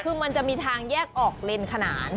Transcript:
คือมันจะมีทางแยกออกเลนขนาน